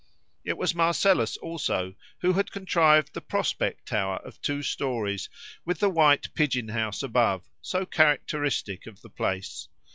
It was Marcellus also who had contrived the prospect tower of two storeys with the white pigeon house above, so characteristic of the place.